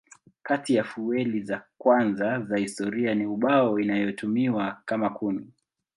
Kati ya fueli za kwanza za historia ni ubao inayotumiwa kama kuni.